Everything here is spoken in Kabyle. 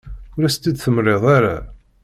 Ur as-t-id-temliḍ ara.